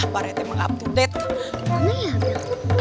mana sih menikah app sama saya